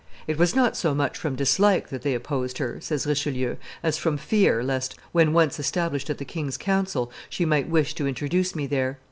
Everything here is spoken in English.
"It was not so much from dislike that they opposed her," says Richelieu, "as from fear lest, when once established at the king's council, she might wish to introduce me there.